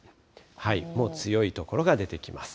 もう強い所が出てきます。